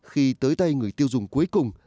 khi tới tay người tiêu dùng cuối cùng